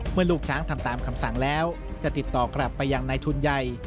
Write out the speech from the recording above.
ลูกช้างทำตามคำสั่งแล้วจะติดต่อกลับไปยังในทุนใหญ่